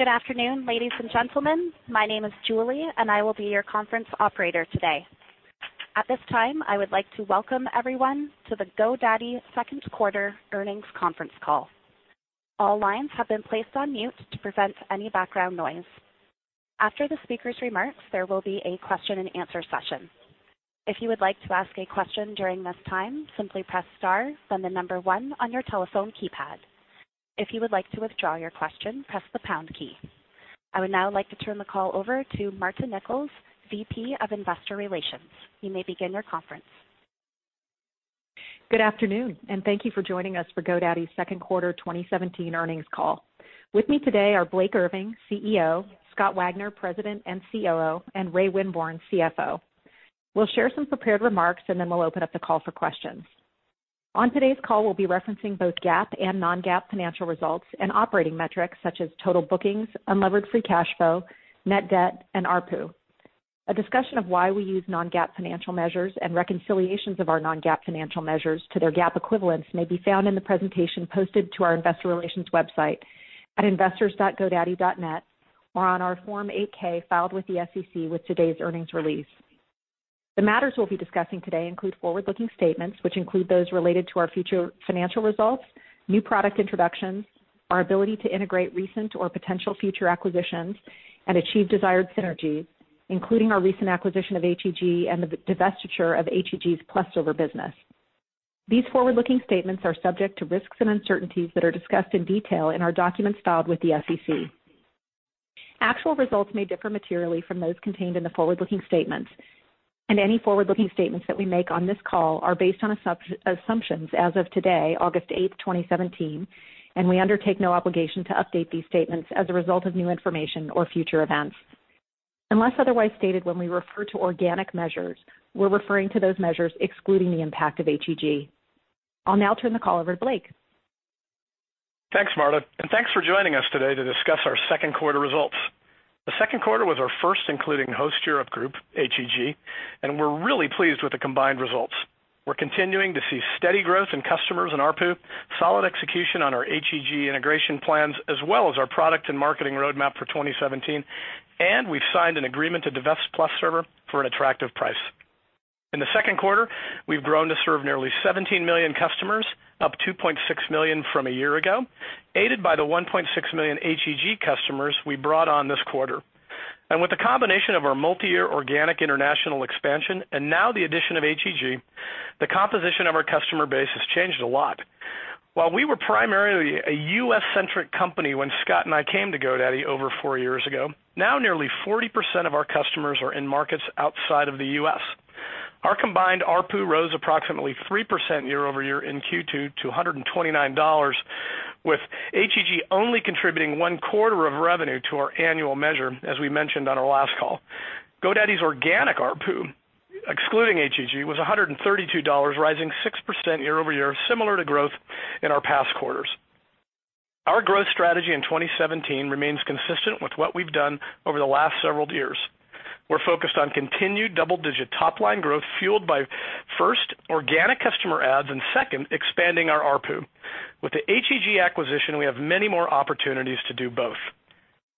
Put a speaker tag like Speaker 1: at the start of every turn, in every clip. Speaker 1: Good afternoon, ladies and gentlemen. My name is Julie, I will be your conference operator today. At this time, I would like to welcome everyone to the GoDaddy second quarter earnings conference call. All lines have been placed on mute to prevent any background noise. After the speaker's remarks, there will be a question-and-answer session. If you would like to ask a question during this time, simply press star, then the number 1 on your telephone keypad. If you would like to withdraw your question, press the pound key. I would now like to turn the call over to Marta Nichols, VP of Investor Relations. You may begin your conference.
Speaker 2: Good afternoon. Thank you for joining us for GoDaddy's second quarter 2017 earnings call. With me today are Blake Irving, CEO, Scott Wagner, President and COO, and Ray Winborne, CFO. We'll share some prepared remarks. Then we'll open up the call for questions. On today's call, we'll be referencing both GAAP and non-GAAP financial results and operating metrics such as total bookings, unlevered free cash flow, net debt, and ARPU. A discussion of why we use non-GAAP financial measures and reconciliations of our non-GAAP financial measures to their GAAP equivalents may be found in the presentation posted to our investor relations website at investors.godaddy.net or on our Form 8-K filed with the SEC with today's earnings release. The matters we'll be discussing today include forward-looking statements, which include those related to our future financial results, new product introductions, our ability to integrate recent or potential future acquisitions and achieve desired synergies, including our recent acquisition of HEG and the divestiture of HEG's PlusServer business. These forward-looking statements are subject to risks and uncertainties that are discussed in detail in our documents filed with the SEC. Actual results may differ materially from those contained in the forward-looking statements. Any forward-looking statements that we make on this call are based on assumptions as of today, August 8th, 2017, and we undertake no obligation to update these statements as a result of new information or future events. Unless otherwise stated, when we refer to organic measures, we're referring to those measures excluding the impact of HEG. I'll now turn the call over to Blake.
Speaker 3: Thanks, Marta. Thanks for joining us today to discuss our second quarter results. The second quarter was our first including Host Europe Group, HEG. We're really pleased with the combined results. We're continuing to see steady growth in customers and ARPU, solid execution on our HEG integration plans, as well as our product and marketing roadmap for 2017. We've signed an agreement to divest PlusServer for an attractive price. In the second quarter, we've grown to serve nearly 17 million customers, up 2.6 million from a year ago, aided by the 1.6 million HEG customers we brought on this quarter. With the combination of our multi-year organic international expansion and now the addition of HEG, the composition of our customer base has changed a lot. While we were primarily a U.S.-centric company when Scott and I came to GoDaddy over four years ago, now nearly 40% of our customers are in markets outside of the U.S. Our combined ARPU rose approximately 3% year-over-year in Q2 to $129, with HEG only contributing one quarter of revenue to our annual measure, as we mentioned on our last call. GoDaddy's organic ARPU, excluding HEG, was $132, rising 6% year-over-year, similar to growth in our past quarters. Our growth strategy in 2017 remains consistent with what we've done over the last several years. We're focused on continued double-digit top-line growth fueled by, first, organic customer adds, and second, expanding our ARPU. With the HEG acquisition, we have many more opportunities to do both.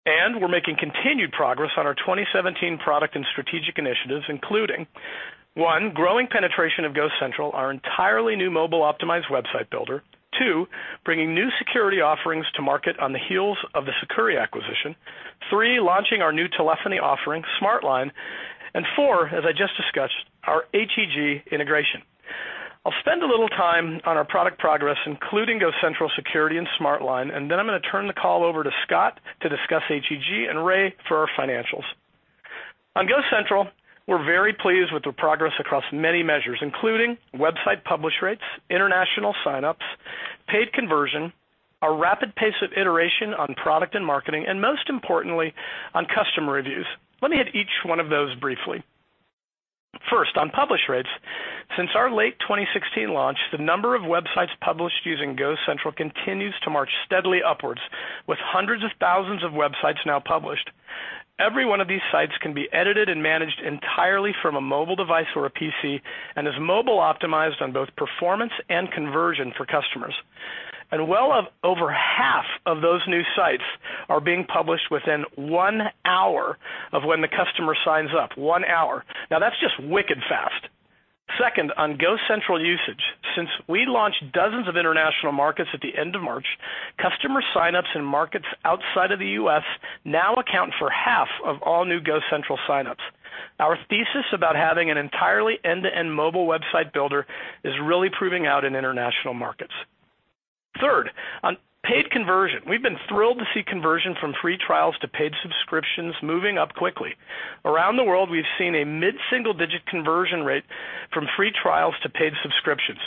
Speaker 3: We're making continued progress on our 2017 product and strategic initiatives, including, one, growing penetration of GoCentral, our entirely new mobile-optimized website builder. Two, bringing new security offerings to market on the heels of the Sucuri acquisition. Three, launching our new telephony offering, SmartLine. Four, as I just discussed, our HEG integration. I'll spend a little time on our product progress, including GoCentral, Security, and SmartLine, and then I'm going to turn the call over to Scott to discuss HEG and Ray for our financials. On GoCentral, we're very pleased with the progress across many measures, including website publish rates, international sign-ups, paid conversion, our rapid pace of iteration on product and marketing, and most importantly, on customer reviews. Let me hit each one of those briefly. First, on publish rates. Since our late 2016 launch, the number of websites published using GoCentral continues to march steadily upwards, with hundreds of thousands of websites now published. Every one of these sites can be edited and managed entirely from a mobile device or a PC and is mobile-optimized on both performance and conversion for customers. Well over half of those new sites are being published within one hour of when the customer signs up. One hour. That's just wicked fast. Second, on GoCentral usage. Since we launched dozens of international markets at the end of March, customer sign-ups in markets outside of the U.S. now account for half of all new GoCentral sign-ups. Our thesis about having an entirely end-to-end mobile website builder is really proving out in international markets. Third, on paid conversion. We've been thrilled to see conversion from free trials to paid subscriptions moving up quickly. Around the world, we've seen a mid-single-digit conversion rate from free trials to paid subscriptions.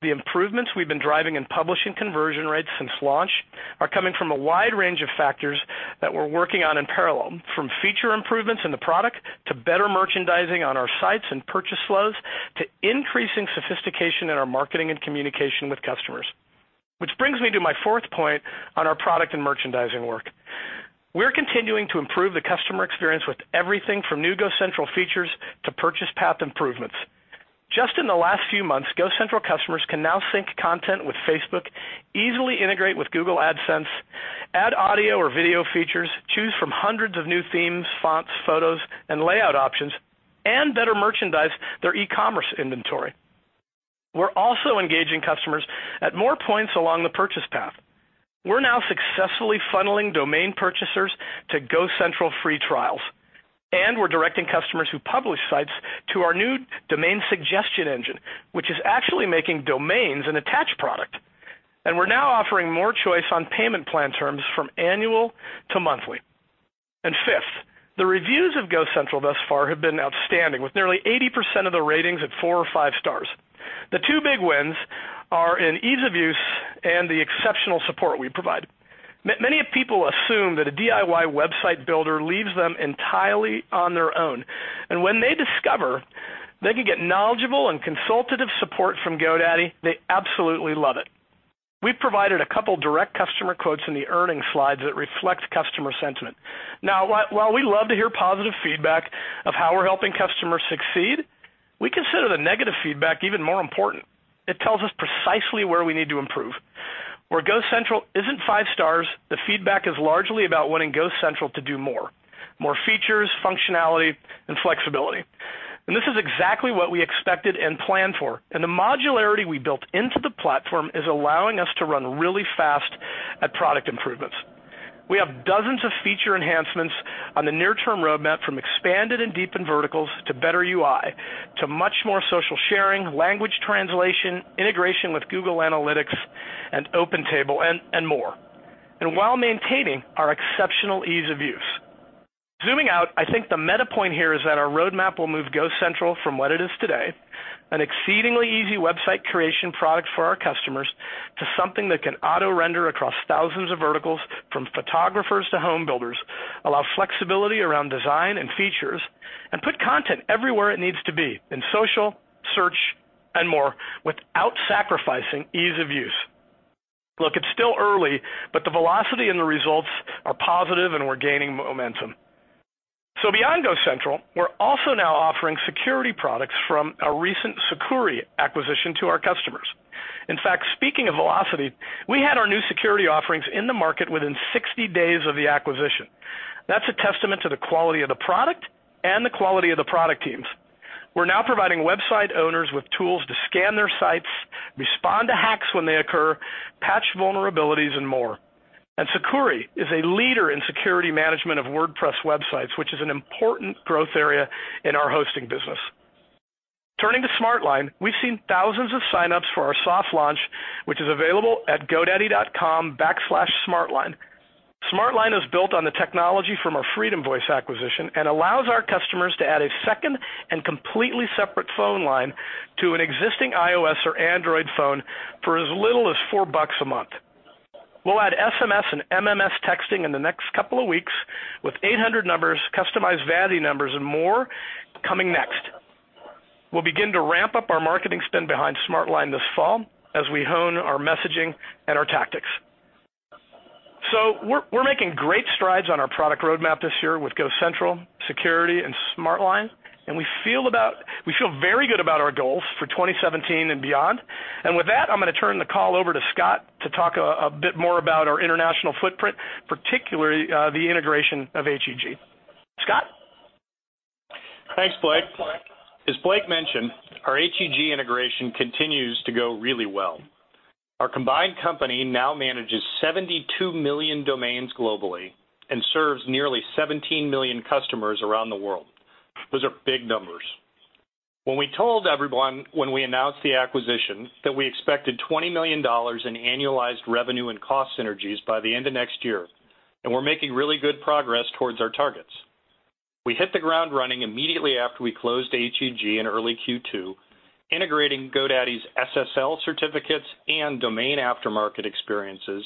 Speaker 3: The improvements we've been driving in publishing conversion rates since launch are coming from a wide range of factors that we're working on in parallel, from feature improvements in the product, to better merchandising on our sites and purchase flows, to increasing sophistication in our marketing and communication with customers. Which brings me to my fourth point on our product and merchandising work. We're continuing to improve the customer experience with everything from new GoCentral features to purchase path improvements. Just in the last few months, GoCentral customers can now sync content with Facebook, easily integrate with Google AdSense, add audio or video features, choose from hundreds of new themes, fonts, photos, and layout options, and better merchandise their e-commerce inventory. We're also engaging customers at more points along the purchase path. We're now successfully funneling domain purchasers to GoCentral free trials, we're directing customers who publish sites to our new domain suggestion engine, which is actually making domains an attached product. We're now offering more choice on payment plan terms from annual to monthly. Fifth, the reviews of GoCentral thus far have been outstanding, with nearly 80% of the ratings at four or five stars. The two big wins are in ease of use and the exceptional support we provide. Many people assume that a DIY website builder leaves them entirely on their own, and when they discover they can get knowledgeable and consultative support from GoDaddy, they absolutely love it. We provided a couple of direct customer quotes in the earnings slides that reflect customer sentiment. Now, while we love to hear positive feedback of how we're helping customers succeed, we consider the negative feedback even more important. It tells us precisely where we need to improve. Where GoCentral isn't five stars, the feedback is largely about wanting GoCentral to do more. More features, functionality, and flexibility. This is exactly what we expected and planned for. The modularity we built into the platform is allowing us to run really fast at product improvements. We have dozens of feature enhancements on the near-term roadmap, from expanded and deepened verticals to better UI, to much more social sharing, language translation, integration with Google Analytics and OpenTable, and more, and while maintaining our exceptional ease of use. Zooming out, I think the meta point here is that our roadmap will move GoCentral from what it is today, an exceedingly easy website creation product for our customers, to something that can auto-render across thousands of verticals, from photographers to home builders, allow flexibility around design and features, and put content everywhere it needs to be, in social, search, and more, without sacrificing ease of use. Look, it's still early, but the velocity and the results are positive, and we're gaining momentum. Beyond GoCentral, we're also now offering security products from our recent Sucuri acquisition to our customers. In fact, speaking of velocity, we had our new security offerings in the market within 60 days of the acquisition. That's a testament to the quality of the product and the quality of the product teams. We're now providing website owners with tools to scan their sites, respond to hacks when they occur, patch vulnerabilities, and more. Sucuri is a leader in security management of WordPress websites, which is an important growth area in our hosting business. Turning to SmartLine, we've seen thousands of sign-ups for our soft launch, which is available at godaddy.com/smartline. SmartLine is built on the technology from our FreedomVoice acquisition and allows our customers to add a second and completely separate phone line to an existing iOS or Android phone for as little as four bucks a month. We'll add SMS and MMS texting in the next couple of weeks, with 800 numbers, customized vanity numbers, and more coming next. We'll begin to ramp up our marketing spend behind SmartLine this fall as we hone our messaging and our tactics. We're making great strides on our product roadmap this year with GoCentral, security, and SmartLine, and we feel very good about our goals for 2017 and beyond. With that, I'm going to turn the call over to Scott to talk a bit more about our international footprint, particularly the integration of HEG. Scott?
Speaker 4: Thanks, Blake. As Blake mentioned, our HEG integration continues to go really well. Our combined company now manages 72 million domains globally and serves nearly 17 million customers around the world. Those are big numbers. When we told everyone when we announced the acquisition that we expected $20 million in annualized revenue and cost synergies by the end of next year, we're making really good progress towards our targets. We hit the ground running immediately after we closed HEG in early Q2, integrating GoDaddy's SSL certificates and domain aftermarket experiences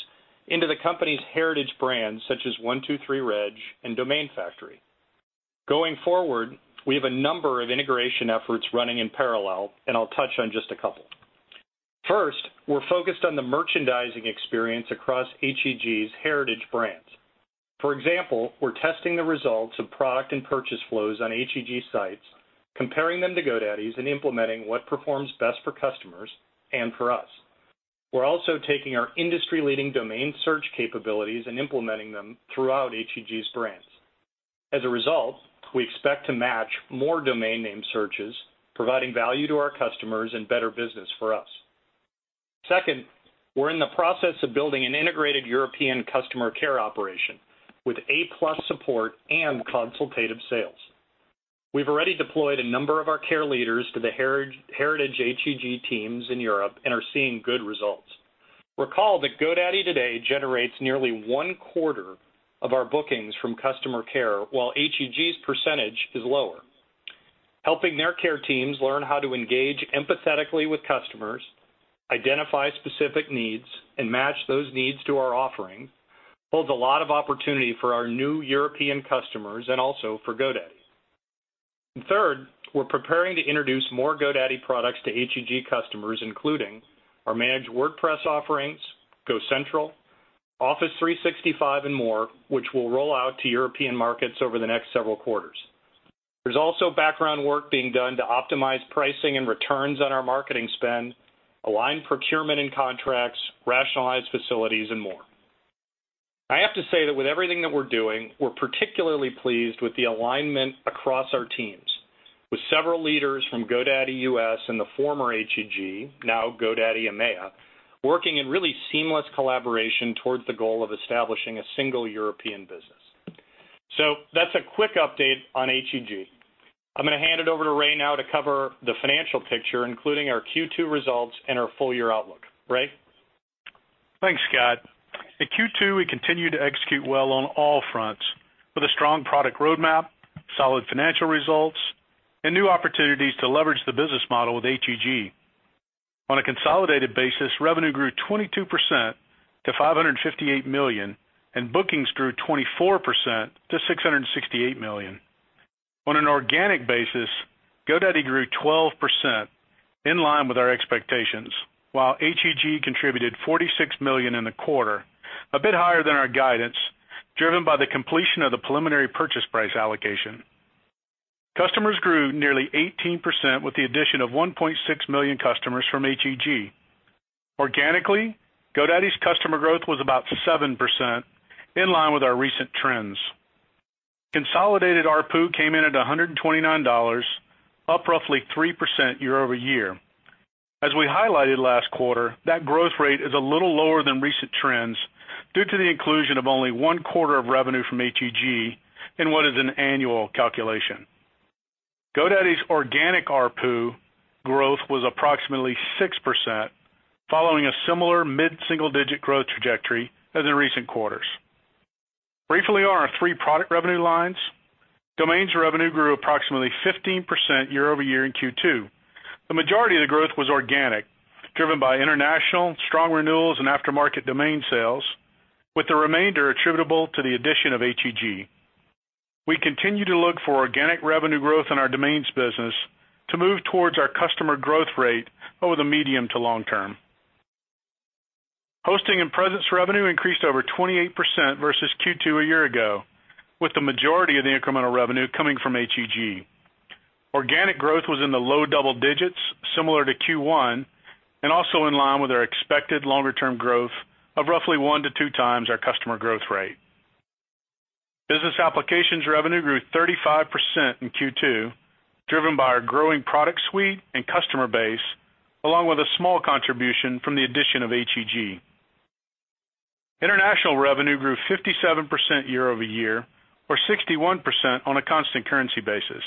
Speaker 4: into the company's heritage brands, such as 123 Reg and DomainFactory. Going forward, we have a number of integration efforts running in parallel, I'll touch on just a couple. First, we're focused on the merchandising experience across HEG's heritage brands. For example, we're testing the results of product and purchase flows on HEG sites, comparing them to GoDaddy's, and implementing what performs best for customers and for us. We're also taking our industry-leading domain search capabilities and implementing them throughout HEG's brands. As a result, we expect to match more domain name searches, providing value to our customers and better business for us. Second, we're in the process of building an integrated European customer care operation with A-plus support and consultative sales. We've already deployed a number of our care leaders to the heritage HEG teams in Europe and are seeing good results. Recall that GoDaddy today generates nearly one-quarter of our bookings from customer care, while HEG's percentage is lower. Helping their care teams learn how to engage empathetically with customers, identify specific needs, and match those needs to our offering holds a lot of opportunity for our new European customers and also for GoDaddy. Third, we're preparing to introduce more GoDaddy products to HEG customers, including our managed WordPress offerings, GoCentral Office 365 and more, which we'll roll out to European markets over the next several quarters. There's also background work being done to optimize pricing and returns on our marketing spend, align procurement and contracts, rationalize facilities, and more. I have to say that with everything that we're doing, we're particularly pleased with the alignment across our teams, with several leaders from GoDaddy U.S. and the former HEG, now GoDaddy EMEA, working in really seamless collaboration towards the goal of establishing a single European business. That's a quick update on HEG. I'm going to hand it over to Ray now to cover the financial picture, including our Q2 results and our full-year outlook. Ray?
Speaker 5: Thanks, Scott. At Q2, we continued to execute well on all fronts, with a strong product roadmap, solid financial results, and new opportunities to leverage the business model with HEG. On a consolidated basis, revenue grew 22% to $558 million, and bookings grew 24% to $668 million. On an organic basis, GoDaddy grew 12%, in line with our expectations, while HEG contributed $46 million in the quarter, a bit higher than our guidance, driven by the completion of the preliminary purchase price allocation. Customers grew nearly 18% with the addition of 1.6 million customers from HEG. Organically, GoDaddy's customer growth was about 7%, in line with our recent trends. Consolidated ARPU came in at $129, up roughly 3% year-over-year. As we highlighted last quarter, that growth rate is a little lower than recent trends due to the inclusion of only one quarter of revenue from HEG in what is an annual calculation. GoDaddy's organic ARPU growth was approximately 6%, following a similar mid-single-digit growth trajectory as in recent quarters. Briefly on our three product revenue lines, domains revenue grew approximately 15% year-over-year in Q2. The majority of the growth was organic, driven by international, strong renewals, and aftermarket domain sales, with the remainder attributable to the addition of HEG. We continue to look for organic revenue growth in our domains business to move towards our customer growth rate over the medium to long term. Hosting and presence revenue increased over 28% versus Q2 a year ago, with the majority of the incremental revenue coming from HEG. Organic growth was in the low double digits, similar to Q1, and also in line with our expected longer-term growth of roughly one to two times our customer growth rate. Business applications revenue grew 35% in Q2, driven by our growing product suite and customer base, along with a small contribution from the addition of HEG. International revenue grew 57% year-over-year, or 61% on a constant currency basis.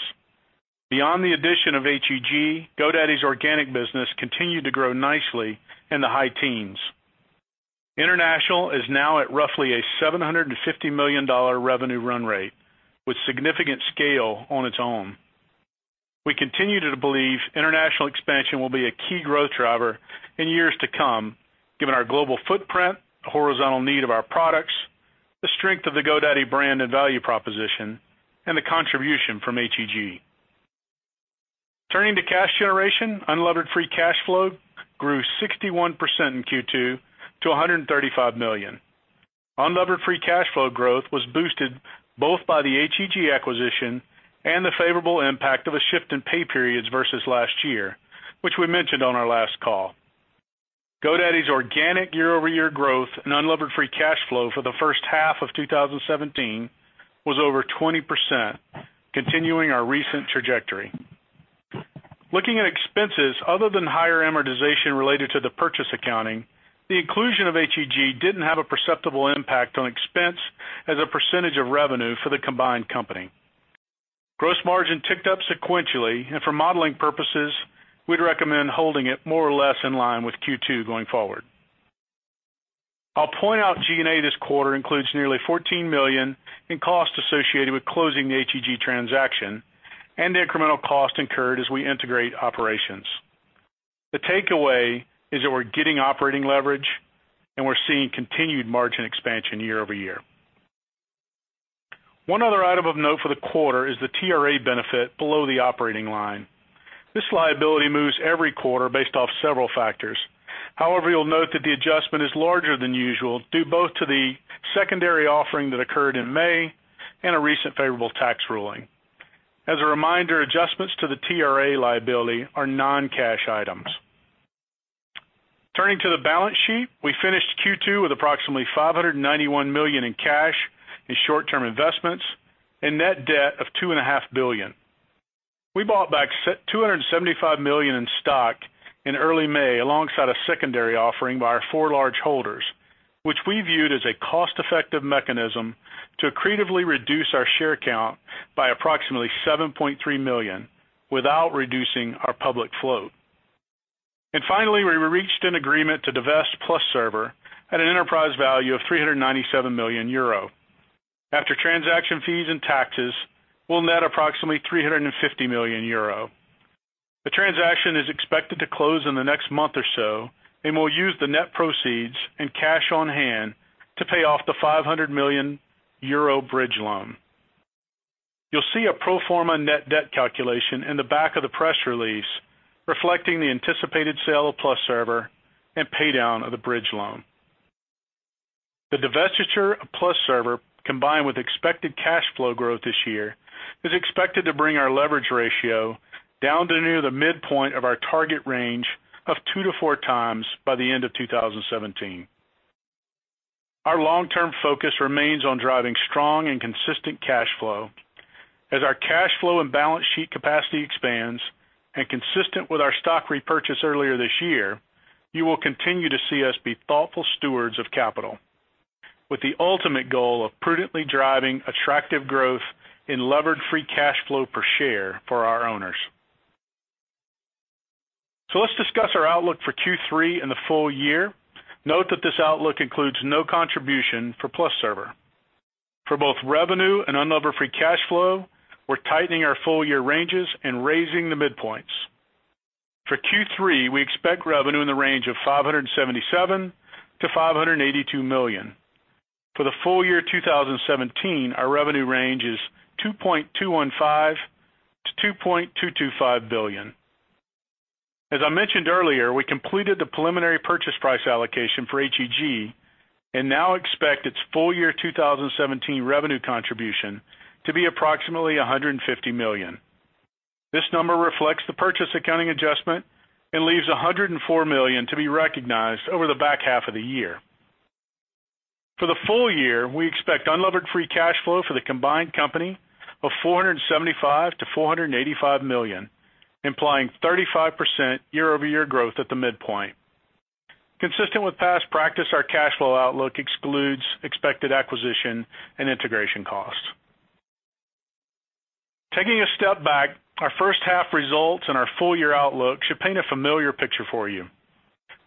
Speaker 5: Beyond the addition of HEG, GoDaddy's organic business continued to grow nicely in the high teens. International is now at roughly a $750 million revenue run rate, with significant scale on its own. We continue to believe international expansion will be a key growth driver in years to come, given our global footprint, the horizontal need of our products, the strength of the GoDaddy brand and value proposition, and the contribution from HEG. Turning to cash generation, unlevered free cash flow grew 61% in Q2 to $135 million. Unlevered free cash flow growth was boosted both by the HEG acquisition and the favorable impact of a shift in pay periods versus last year, which we mentioned on our last call. GoDaddy's organic year-over-year growth and unlevered free cash flow for the first half of 2017 was over 20%, continuing our recent trajectory. Looking at expenses, other than higher amortization related to the purchase accounting, the inclusion of HEG didn't have a perceptible impact on expense as a percentage of revenue for the combined company. Gross margin ticked up sequentially, and for modeling purposes, we'd recommend holding it more or less in line with Q2 going forward. I'll point out G&A this quarter includes nearly $14 million in costs associated with closing the HEG transaction and the incremental costs incurred as we integrate operations. The takeaway is that we're getting operating leverage and we're seeing continued margin expansion year-over-year. One other item of note for the quarter is the TRA benefit below the operating line. This liability moves every quarter based off several factors. However, you'll note that the adjustment is larger than usual due both to the secondary offering that occurred in May and a recent favorable tax ruling. As a reminder, adjustments to the TRA liability are non-cash items. Turning to the balance sheet, we finished Q2 with approximately $591 million in cash and short-term investments and net debt of $2.5 billion. We bought back $275 million in stock in early May alongside a secondary offering by our four large holders, which we viewed as a cost-effective mechanism to accretively reduce our share count by approximately $7.3 million without reducing our public float. Finally, we reached an agreement to divest PlusServer at an enterprise value of €397 million. After transaction fees and taxes, we'll net approximately €350 million. The transaction is expected to close in the next month or so, and we'll use the net proceeds and cash on hand to pay off the €500 million bridge loan. You'll see a pro forma net debt calculation in the back of the press release, reflecting the anticipated sale of PlusServer and pay down of the bridge loan. The divestiture of PlusServer, combined with expected cash flow growth this year, is expected to bring our leverage ratio down to near the midpoint of our target range of two to four times by the end of 2017. Our long-term focus remains on driving strong and consistent cash flow. As our cash flow and balance sheet capacity expands, and consistent with our stock repurchase earlier this year, you will continue to see us be thoughtful stewards of capital, with the ultimate goal of prudently driving attractive growth in levered free cash flow per share for our owners. Let's discuss our outlook for Q3 and the full year. Note that this outlook includes no contribution for PlusServer. For both revenue and unlevered free cash flow, we're tightening our full-year ranges and raising the midpoints. For Q3, we expect revenue in the range of $577 million to $582 million. For the full year 2017, our revenue range is $2.215 billion to $2.225 billion. As I mentioned earlier, we completed the preliminary purchase price allocation for HEG and now expect its full-year 2017 revenue contribution to be approximately $150 million. This number reflects the purchase accounting adjustment and leaves $104 million to be recognized over the back half of the year. For the full year, we expect unlevered free cash flow for the combined company of $475 million-$485 million, implying 35% year-over-year growth at the midpoint. Consistent with past practice, our cash flow outlook excludes expected acquisition and integration costs. Taking a step back, our first half results and our full-year outlook should paint a familiar picture for you.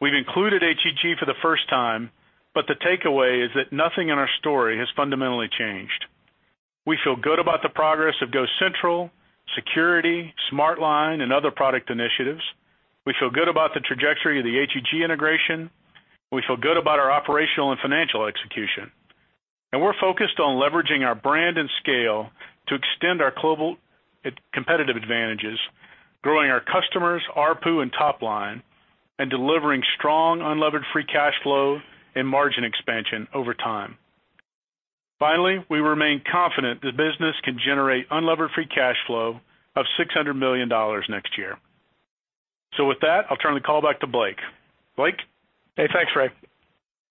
Speaker 5: We've included HEG for the first time, but the takeaway is that nothing in our story has fundamentally changed. We feel good about the progress of GoCentral, security, SmartLine, and other product initiatives. We feel good about the trajectory of the HEG integration. We feel good about our operational and financial execution. We're focused on leveraging our brand and scale to extend our global competitive advantages, growing our customers, ARPU, and top line, and delivering strong unlevered free cash flow and margin expansion over time. Finally, we remain confident the business can generate unlevered free cash flow of $600 million next year. With that, I'll turn the call back to Blake. Blake?
Speaker 3: Hey, thanks, Ray.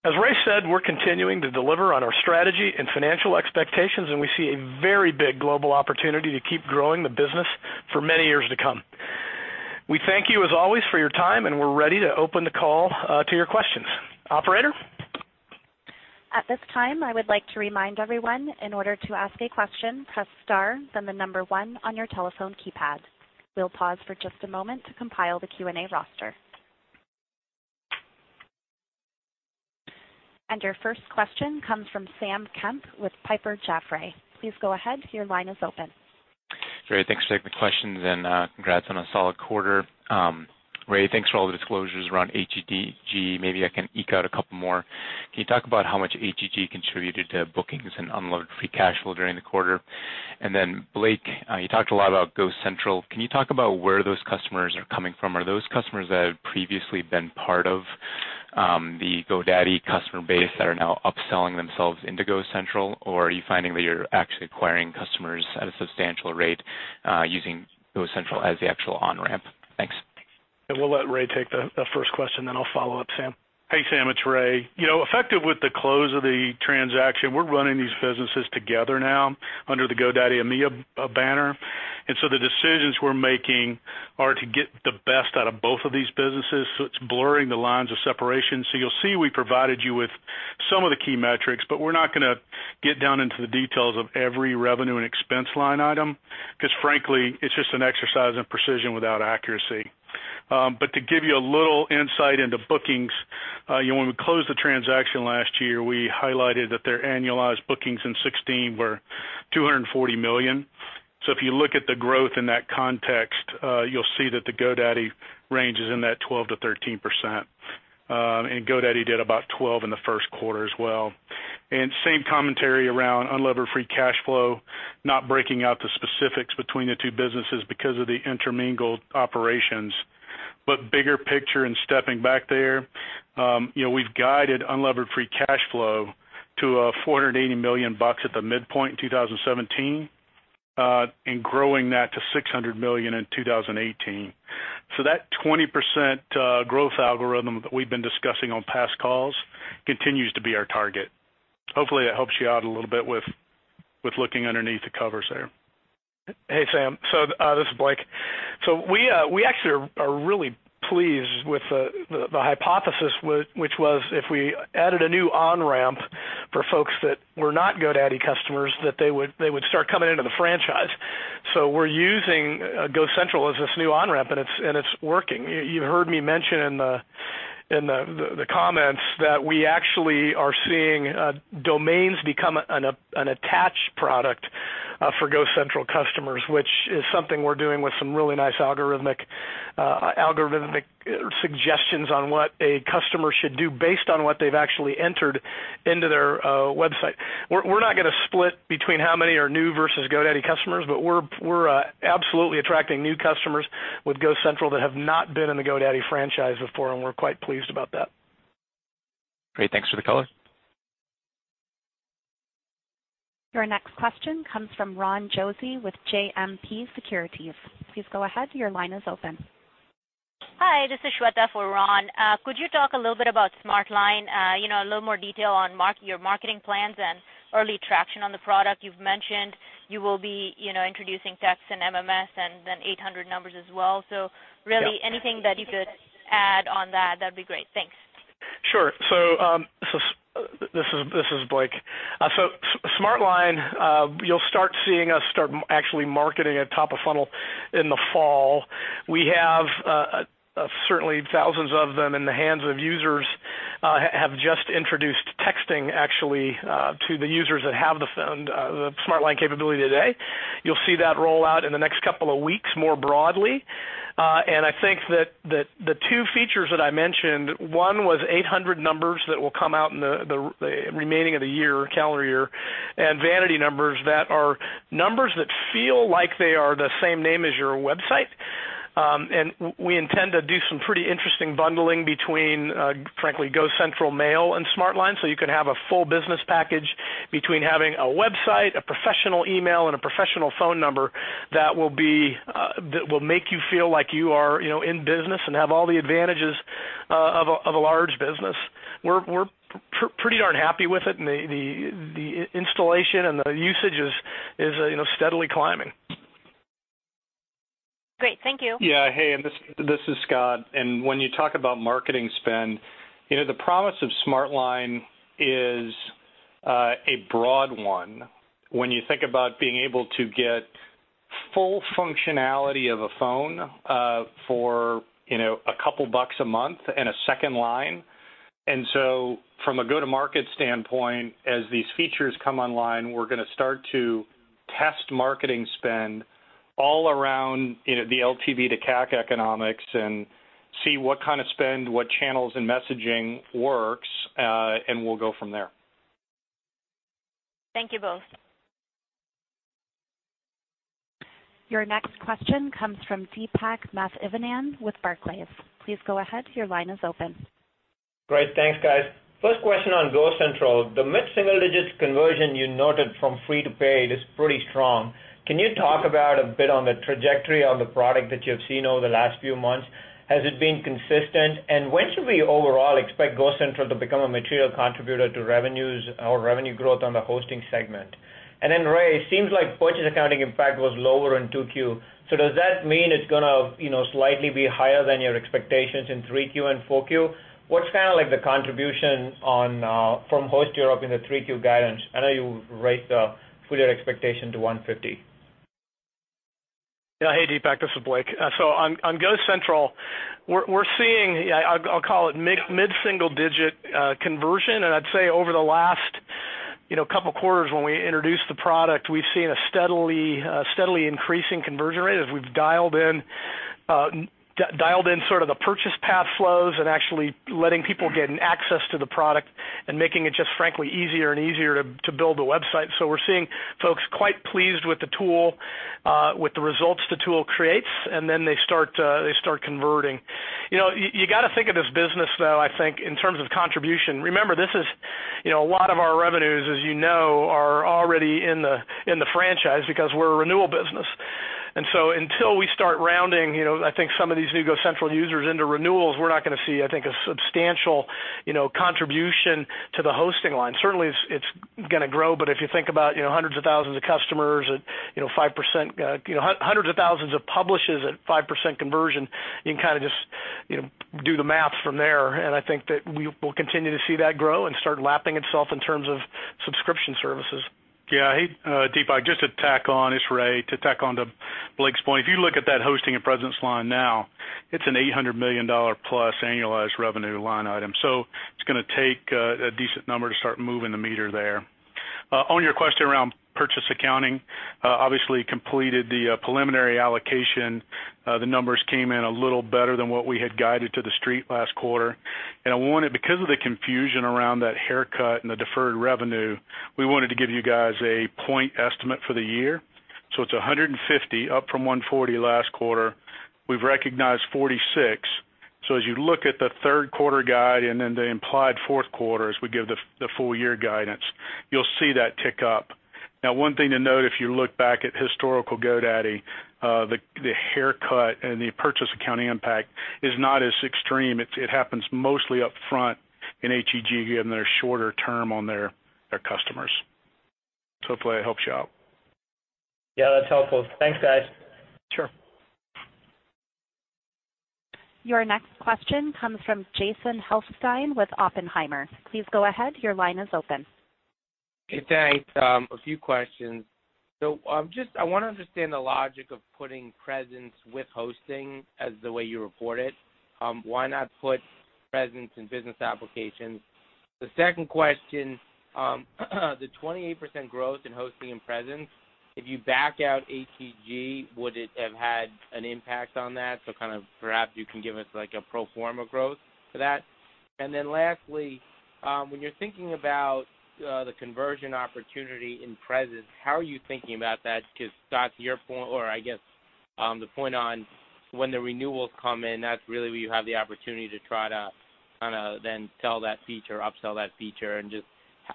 Speaker 3: As Ray said, we're continuing to deliver on our strategy and financial expectations, we see a very big global opportunity to keep growing the business for many years to come. We thank you as always for your time, we're ready to open the call to your questions. Operator?
Speaker 1: At this time, I would like to remind everyone, in order to ask a question, press star, then the number 1 on your telephone keypad. We'll pause for just a moment to compile the Q&A roster. Your first question comes from Sam Kemp with Piper Jaffray. Please go ahead. Your line is open.
Speaker 6: Great. Thanks for taking the questions and congrats on a solid quarter. Ray, thanks for all the disclosures around Host Europe Group. Maybe I can eke out a couple more. Can you talk about how much Host Europe Group contributed to bookings and unlevered free cash flow during the quarter? Blake, you talked a lot about GoCentral. Can you talk about where those customers are coming from? Are those customers that have previously been part of the GoDaddy customer base that are now upselling themselves into GoCentral, or are you finding that you're actually acquiring customers at a substantial rate using GoCentral as the actual on-ramp? Thanks.
Speaker 3: We'll let Ray take the first question, then I'll follow up, Sam.
Speaker 5: Hey, Sam. It's Ray. Effective with the close of the transaction, we're running these businesses together now under the GoDaddy EMEA banner. The decisions we're making are to get the best out of both of these businesses, so it's blurring the lines of separation. You'll see we provided you with some of the key metrics, but we're not going to get down into the details of every revenue and expense line item because frankly, it's just an exercise in precision without accuracy. To give you a little insight into bookings, when we closed the transaction last year, we highlighted that their annualized bookings in 2016 were $240 million. If you look at the growth in that context, you'll see that the GoDaddy range is in that 12%-13%, and GoDaddy did about 12% in the first quarter as well. Same commentary around unlevered free cash flow, not breaking out the specifics between the two businesses because of the intermingled operations. Bigger picture and stepping back there, we've guided unlevered free cash flow to $480 million at the midpoint in 2017, and growing that to $600 million in 2018. That 20% growth algorithm that we've been discussing on past calls continues to be our target. Hopefully, that helps you out a little bit with looking underneath the covers there.
Speaker 3: Hey, Sam. This is Blake. We actually are really pleased with the hypothesis, which was if we added a new on-ramp for folks that were not GoDaddy customers, that they would start coming into the franchise. We're using GoCentral as this new on-ramp, and it's working. You heard me mention in the comments that we actually are seeing domains become an attached product for GoCentral customers, which is something we're doing with some really nice algorithmic suggestions on what a customer should do based on what they've actually entered into their website. We're not going to split between how many are new versus GoDaddy customers, but we're absolutely attracting new customers with GoCentral that have not been in the GoDaddy franchise before, and we're quite pleased about that.
Speaker 6: Great. Thanks for the color.
Speaker 1: Your next question comes from Ron Josey with JMP Securities. Please go ahead. Your line is open.
Speaker 7: Hi, this is Shweta for Ron. Could you talk a little bit about SmartLine? A little more detail on your marketing plans and early traction on the product. You've mentioned you will be introducing text and MMS and 800 numbers as well.
Speaker 3: Yeah
Speaker 7: anything that you could add on that'd be great. Thanks.
Speaker 3: Sure. This is Blake. SmartLine, you'll start seeing us start actually marketing at top of funnel in the fall. We have certainly thousands of them in the hands of users, have just introduced texting, actually, to the users that have the SmartLine capability today. You'll see that roll out in the next couple of weeks more broadly. I think that the two features that I mentioned, one was 800 numbers, that will come out in the remaining of the year, calendar year, and vanity numbers that are numbers that feel like they are the same name as your website. We intend to do some pretty interesting bundling between, frankly, GoCentral mail and SmartLine, so you can have a full business package between having a website, a professional email, and a professional phone number that will make you feel like you are in business and have all the advantages of a large business. We're pretty darn happy with it, and the installation and the usage is steadily climbing.
Speaker 4: Great. Thank you. Yeah. Hey, this is Scott. When you talk about marketing spend, the promise of SmartLine is a broad one. When you think about being able to get full functionality of a phone, for a couple $ a month and a second line. From a go-to-market standpoint, as these features come online, we're going to start to test marketing spend all around the LTV to CAC economics and see what kind of spend, what channels and messaging works, and we'll go from there.
Speaker 7: Thank you both.
Speaker 1: Your next question comes from Deepak Mathivanan with Barclays. Please go ahead. Your line is open.
Speaker 8: Great. Thanks, guys. First question on GoCentral. The mid-single-digit conversion you noted from free to paid is pretty strong. Can you talk about a bit on the trajectory of the product that you have seen over the last few months? Has it been consistent, and when should we overall expect GoCentral to become a material contributor to revenues or revenue growth on the hosting segment? Then Ray, it seems like purchase accounting impact was lower in 2Q. Does that mean it's going to slightly be higher than your expectations in 3Q and 4Q? What's kind of like the contribution from Host Europe in the 3Q guidance? I know you raised the full year expectation to $150.
Speaker 3: Hey, Deepak, this is Blake. On GoCentral, we're seeing, I'll call it mid-single-digit conversion. I'd say over the last couple of quarters when we introduced the product, we've seen a steadily increasing conversion rate as we've dialed in sort of the purchase path flows and actually letting people get access to the product and making it just, frankly, easier and easier to build a website. We're seeing folks quite pleased with the tool, with the results the tool creates, and then they start converting. You got to think of this business, though, I think, in terms of contribution. Remember, a lot of our revenues, as you know, are already in the franchise because we're a renewal business. Until we start rounding, I think, some of these new GoCentral users into renewals, we're not going to see, I think, a substantial contribution to the hosting line. Certainly, it's going to grow, but if you think about hundreds of thousands of customers at 5%, hundreds of thousands of publishes at 5% conversion, you can kind of just do the math from there. I think that we will continue to see that grow and start lapping itself in terms of subscription services.
Speaker 5: Hey, Deepak, just to tack on, it's Ray, to tack onto Blake's point, if you look at that hosting and presence line now, it's an $800 million-plus annualized revenue line item. It's going to take a decent number to start moving the meter there. On your question around purchase accounting, obviously completed the preliminary allocation. The numbers came in a little better than what we had guided to the street last quarter. Because of the confusion around that haircut and the deferred revenue, we wanted to give you guys a point estimate for the year. It's $150, up from $140 last quarter. We've recognized $46. As you look at the third quarter guide and then the implied fourth quarter, as we give the full-year guidance, you'll see that tick up. One thing to note, if you look back at historical GoDaddy, the haircut and the purchase accounting impact is not as extreme. It happens mostly upfront in HEG, given their shorter term on their customers. Hopefully that helps you out.
Speaker 8: Yeah, that's helpful. Thanks, guys.
Speaker 5: Sure.
Speaker 1: Your next question comes from Jason Helfstein with Oppenheimer. Please go ahead. Your line is open.
Speaker 9: I want to understand the logic of putting presence with hosting as the way you report it. Why not put presence and business applications? The second question, the 28% growth in hosting and presence, if you back out HEG, would it have had an impact on that? Kind of perhaps you can give us like a pro forma growth for that. Lastly, when you're thinking about the conversion opportunity in presence, how are you thinking about that? Because, Scott, your point or I guess, the point on when the renewals come in, that's really where you have the opportunity to try to kind of then sell that feature, upsell that feature, and just,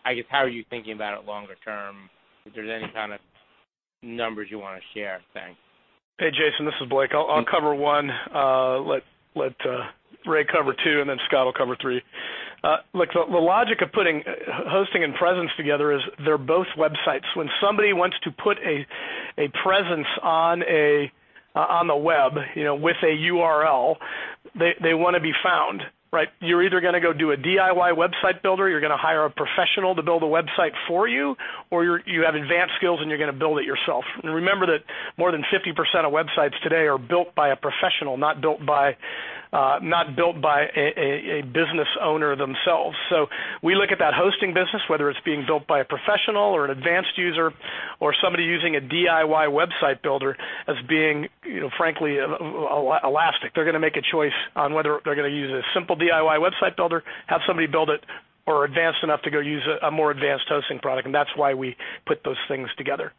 Speaker 9: I guess, how are you thinking about it longer term? If there's any kind of numbers you want to share. Thanks.
Speaker 3: Hey, Jason, this is Blake. I'll cover one, let Ray cover two, and then Scott will cover three. Look, the logic of putting hosting and presence together is they're both websites. When somebody wants to put a presence on the web, with a URL, they want to be found, right? You're either going to go do a DIY website builder, you're going to hire a professional to build a website for you, or you have advanced skills, and you're going to build it yourself. Remember that more than 50% of websites today are built by a professional, not built by a business owner themselves. We look at that hosting business, whether it's being built by a professional or an advanced user or somebody using a DIY website builder as being, frankly, elastic. They're going to make a choice on whether they're going to use a simple DIY website builder, have somebody build it, or are advanced enough to go use a more advanced hosting product, and that's why we put those things together.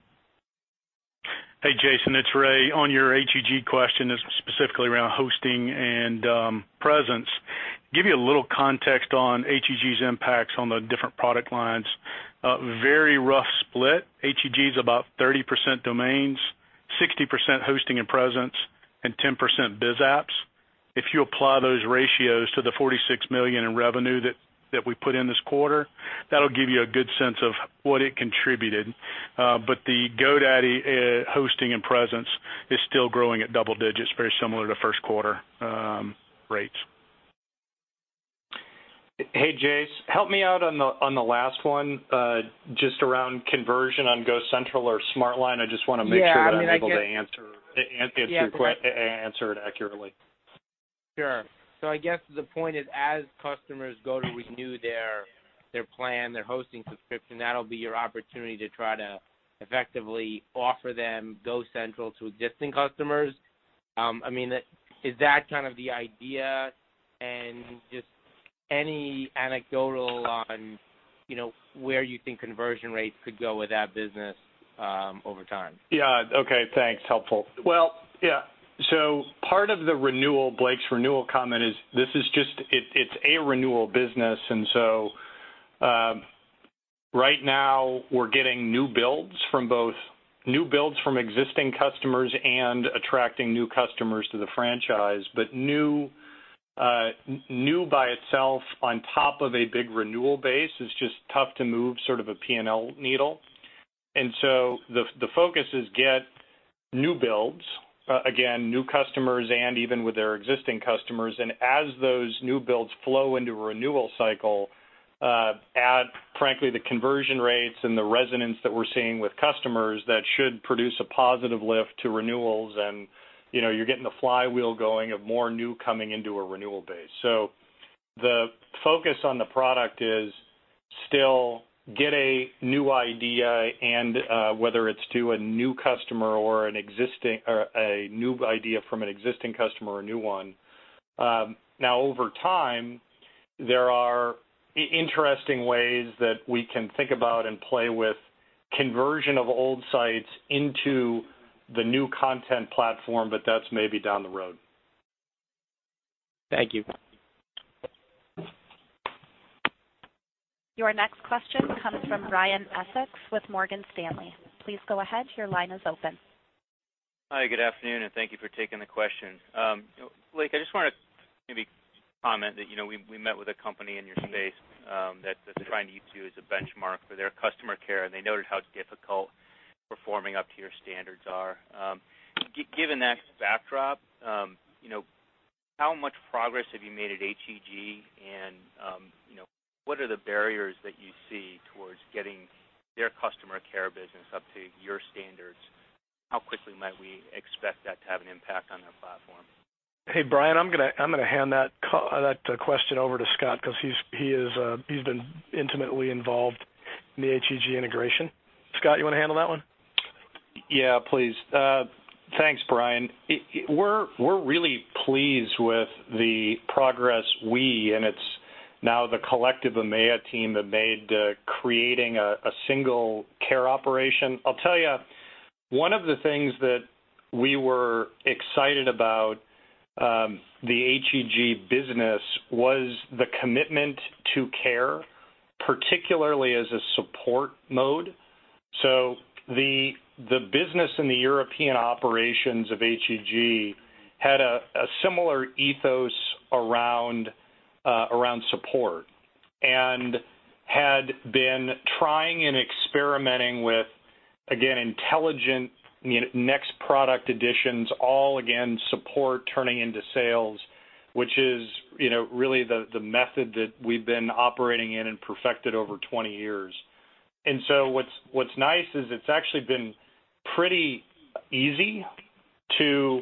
Speaker 5: Hey, Jason, it's Ray. On your HEG question, specifically around hosting and presence. Give you a little context on HEG's impacts on the different product lines. A very rough split, HEG's about 30% domains, 60% hosting and presence, and 10% biz apps. If you apply those ratios to the $46 million in revenue that we put in this quarter, that'll give you a good sense of what it contributed. The GoDaddy hosting and presence is still growing at double digits, very similar to first quarter rates.
Speaker 4: Hey, Jase, help me out on the last one, just around conversion on GoCentral or SmartLine.
Speaker 9: Yeah. I mean,
Speaker 4: That I'm able to answer it accurately.
Speaker 9: Sure. I guess the point is, as customers go to renew their plan, their hosting subscription, that'll be your opportunity to try to effectively offer them GoCentral to existing customers. Is that kind of the idea, and just any anecdotal on where you think conversion rates could go with that business over time?
Speaker 4: Yeah. Okay, thanks. Helpful. Well, yeah. Part of the renewal, Blake's renewal comment, is this is just, it's a renewal business, right now, we're getting new builds from both new builds from existing customers and attracting new customers to the franchise. New by itself on top of a big renewal base is just tough to move sort of a P&L needle. The focus is get new builds, again, new customers, and even with their existing customers, and as those new builds flow into a renewal cycle, at, frankly, the conversion rates and the resonance that we're seeing with customers, that should produce a positive lift to renewals and you're getting the flywheel going of more new coming into a renewal base. The focus on the product is still get a new idea and whether it's to a new customer or a new idea from an existing customer or a new one. Now, over time, there are interesting ways that we can think about and play with conversion of old sites into the new content platform, that's maybe down the road.
Speaker 9: Thank you.
Speaker 1: Your next question comes from Ryan Essex with Morgan Stanley. Please go ahead. Your line is open.
Speaker 10: Hi, good afternoon, and thank you for taking the question. Blake, I just want to maybe comment that we met with a company in your space, that they're trying to use you as a benchmark for their customer care, and they noted how difficult performing up to your standards are. Given that backdrop, how much progress have you made at HEG? What are the barriers that you see towards getting their customer care business up to your standards? How quickly might we expect that to have an impact on their platform?
Speaker 3: Hey, Ryan, I'm going to hand that question over to Scott because he's been intimately involved in the HEG integration. Scott, you want to handle that one?
Speaker 4: Yeah, please. Thanks, Ryan. We're really pleased with the progress we, and it's now the collective of my team, have made creating a single care operation. I'll tell you, one of the things that we were excited about the HEG business was the commitment to care, particularly as a support mode. The business in the European operations of HEG had a similar ethos around support and had been trying and experimenting with, again, intelligent next product additions, all again, support turning into sales, which is really the method that we've been operating in and perfected over 20 years. What's nice is it's actually been pretty easy to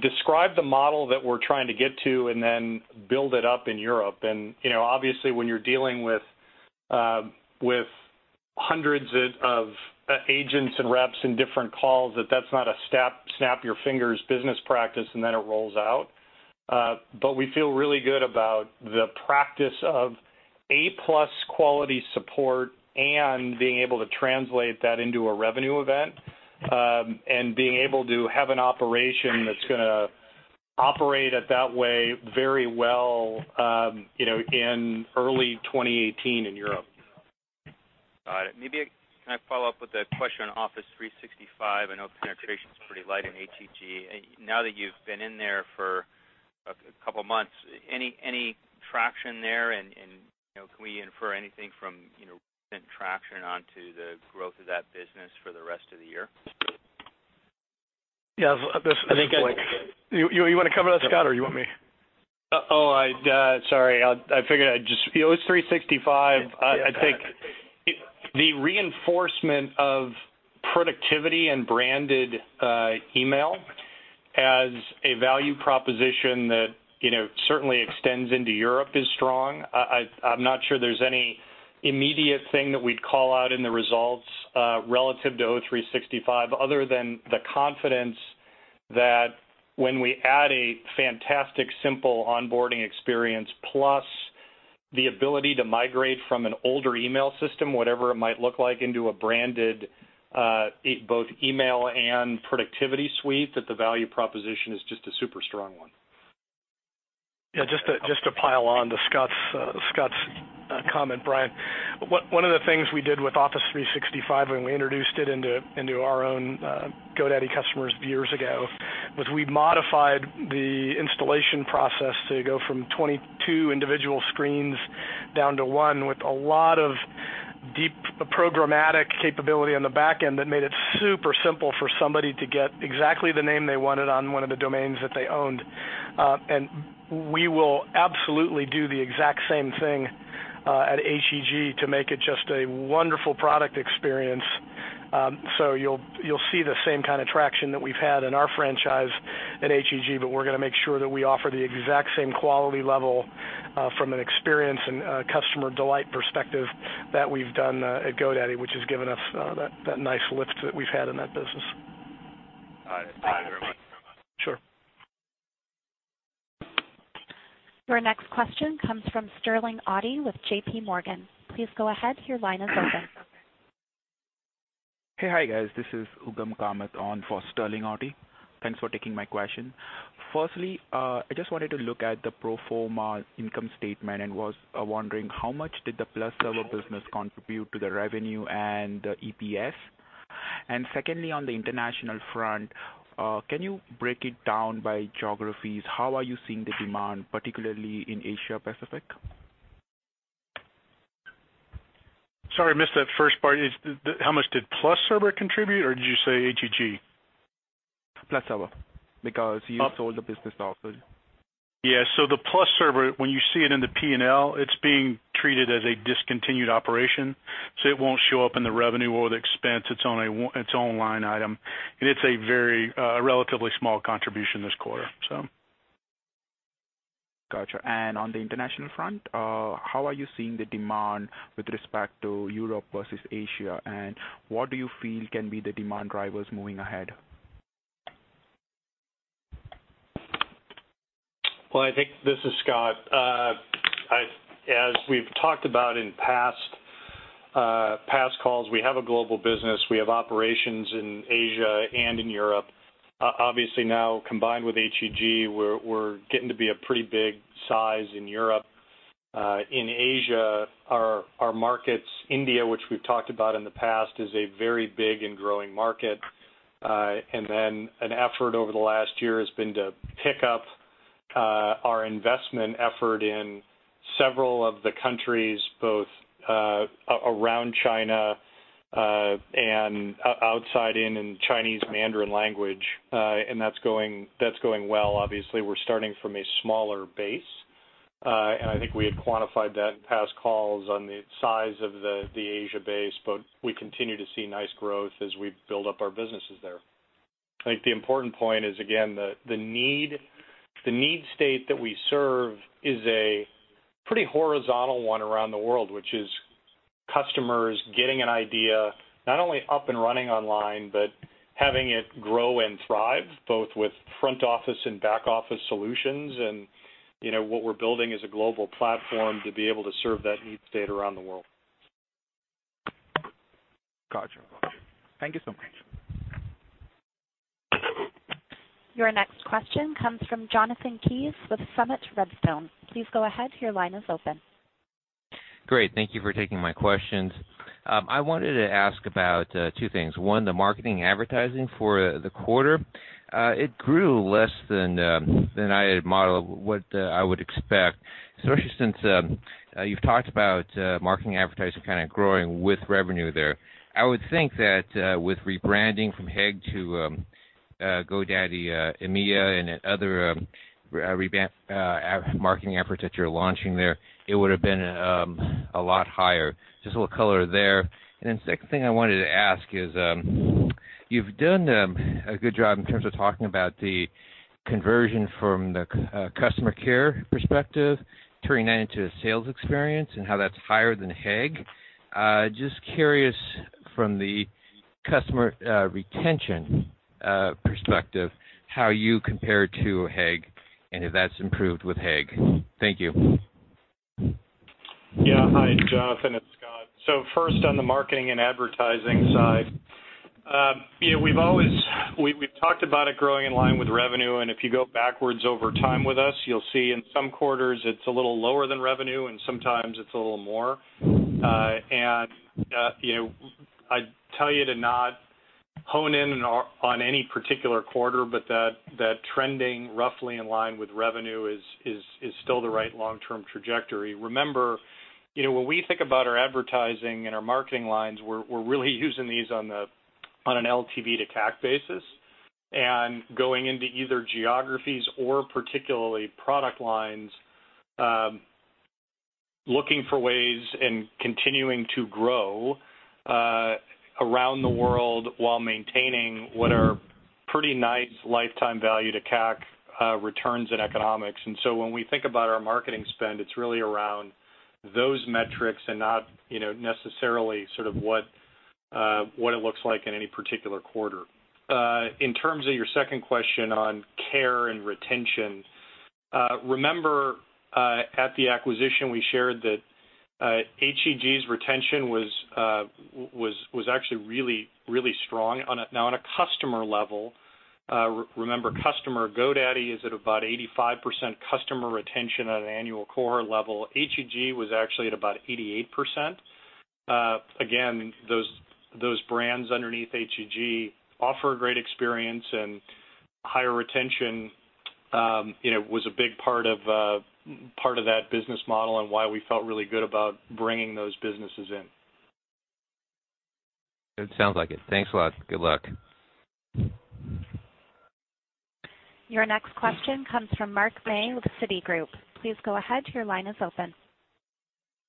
Speaker 4: describe the model that we're trying to get to and then build it up in Europe. Obviously, when you're dealing with hundreds of agents and reps in different calls, that's not a snap-your-fingers business practice, and then it rolls out. We feel really good about the practice of A-plus quality support and being able to translate that into a revenue event, and being able to have an operation that's going to operate at that way very well in early 2018 in Europe.
Speaker 10: Got it. Maybe can I follow up with a question on Office 365? I know penetration's pretty light in HEG. Now that you've been in there for a couple of months, any traction there? Can we infer anything from recent traction onto the growth of that business for the rest of the year?
Speaker 3: Yeah. You want to cover that, Scott, or you want me?
Speaker 4: Oh, sorry. O365, I think the reinforcement of productivity and branded email as a value proposition that certainly extends into Europe is strong. I'm not sure there's any immediate thing that we'd call out in the results relative to O365 other than the confidence that when we add a fantastic, simple onboarding experience, plus the ability to migrate from an older email system, whatever it might look like, into a branded, both email and productivity suite, that the value proposition is just a super strong one.
Speaker 3: Yeah, just to pile on to Scott's comment, Ryan, one of the things we did with Office 365 when we introduced it into our own GoDaddy customers years ago, was we modified the installation process to go from 22 individual screens down to one with a lot of deep programmatic capability on the back end that made it super simple for somebody to get exactly the name they wanted on one of the domains that they owned. We will absolutely do the exact same thing at HEG to make it just a wonderful product experience. You'll see the same kind of traction that we've had in our franchise at HEG, we're going to make sure that we offer the exact same quality level, from an experience and customer delight perspective, that we've done at GoDaddy, which has given us that nice lift that we've had in that business.
Speaker 10: All right. Thank you very much.
Speaker 4: Sure.
Speaker 1: Your next question comes from Sterling Auty with J.P. Morgan. Please go ahead, your line is open.
Speaker 11: Hey, hi, guys. This is Ugam Kamat on for Sterling Auty. Thanks for taking my question. Firstly, I just wanted to look at the pro forma income statement and was wondering how much did the PlusServer business contribute to the revenue and the EPS? Secondly, on the international front, can you break it down by geographies? How are you seeing the demand, particularly in Asia Pacific?
Speaker 5: Sorry, I missed that first part. How much did PlusServer contribute, or did you say HEG?
Speaker 11: PlusServer, because you sold the business also.
Speaker 5: Yeah. The PlusServer, when you see it in the P&L, it's being treated as a discontinued operation, so it won't show up in the revenue or the expense. Its own line item, and it's a relatively small contribution this quarter.
Speaker 11: Got you. On the international front, how are you seeing the demand with respect to Europe versus Asia, and what do you feel can be the demand drivers moving ahead?
Speaker 4: Well, I think, this is Scott. As we've talked about in past calls, we have a global business. We have operations in Asia and in Europe. Obviously now, combined with HEG, we're getting to be a pretty big size in Europe. In Asia, our markets, India, which we've talked about in the past, is a very big and growing market. Then an effort over the last year has been to pick up our investment effort in several of the countries, both around China, and outside in Chinese Mandarin language. That's going well. Obviously, we're starting from a smaller base. I think we had quantified that in past calls on the size of the Asia base, but we continue to see nice growth as we build up our businesses there. I think the important point is, again, the need state that we serve is a pretty horizontal one around the world, which is customers getting an idea, not only up and running online, but having it grow and thrive, both with front office and back office solutions. What we're building is a global platform to be able to serve that need state around the world.
Speaker 11: Got you. Thank you so much.
Speaker 1: Your next question comes from Jonathan Kees with Summit Redstone. Please go ahead, your line is open.
Speaker 12: Great. Thank you for taking my questions. I wanted to ask about two things. One, the marketing advertising for the quarter. It grew less than I had modeled what I would expect, especially since you've talked about marketing advertising kind of growing with revenue there. I would think that with rebranding from HEG to GoDaddy EMEA and other marketing efforts that you're launching there, it would have been a lot higher. Just a little color there. Second thing I wanted to ask is, you've done a good job in terms of talking about the conversion from the customer care perspective, turning that into a sales experience, and how that's higher than HEG. Just curious from the customer retention perspective, how you compare to HEG and if that's improved with HEG. Thank you.
Speaker 4: Yeah. Hi, Jonathan, it's Scott. First, on the marketing and advertising side. We've talked about it growing in line with revenue, if you go backwards over time with us, you'll see in some quarters it's a little lower than revenue, sometimes it's a little more. I'd tell you to not hone in on any particular quarter, but that trending roughly in line with revenue is still the right long-term trajectory. Remember, when we think about our advertising and our marketing lines, we're really using these on an LTV to CAC basis and going into either geographies or particularly product lines, looking for ways and continuing to grow around the world while maintaining what are pretty nice lifetime value to CAC returns and economics. When we think about our marketing spend, it's really around those metrics and not necessarily sort of what it looks like in any particular quarter. In terms of your second question on care and retention, remember, at the acquisition, we shared that HEG's retention was actually really strong. Now on a customer level, remember, customer GoDaddy is at about 85% customer retention at an annual core level. HEG was actually at about 88%. Again, those brands underneath HEG offer a great experience and higher retention was a big part of that business model and why we felt really good about bringing those businesses in.
Speaker 12: It sounds like it. Thanks a lot. Good luck.
Speaker 1: Your next question comes from Mark May with Citigroup. Please go ahead. Your line is open.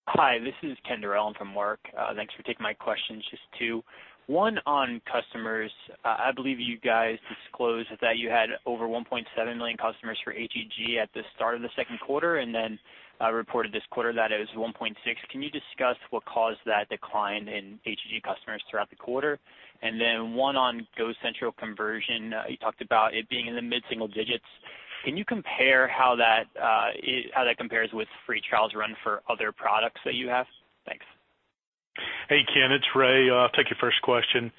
Speaker 13: Hi, this is Ken Derelend from Mark. Thanks for taking my questions. Just two. One on customers. I believe you guys disclosed that you had over 1.7 million customers for HEG at the start of the second quarter, then reported this quarter that it was 1.6. Can you discuss what caused that decline in HEG customers throughout the quarter? One on GoCentral conversion. You talked about it being in the mid-single digits. Can you compare how that compares with free trials run for other products that you have? Thanks.
Speaker 5: Hey, Ken, it's Ray. I'll take your first question.